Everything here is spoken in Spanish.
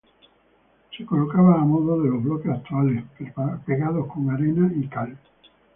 Se colocaban a modo de los bloques actuales, pegados con arena y cal.